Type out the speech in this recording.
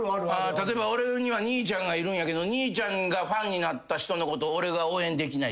例えば俺には兄ちゃんがいるんやけど兄ちゃんがファンになった人のことを俺が応援できない。